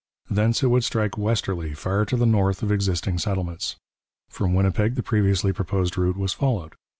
Thence it would strike westerly far to the north of existing settlements. From Winnipeg the previously proposed route was followed.